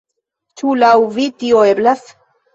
Ĉu laŭ vi tio eblas?